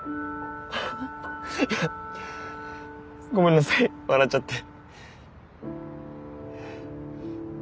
いやごめんなさい笑っちゃって。